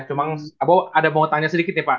cuma abu ada mau tanya sedikit ya pak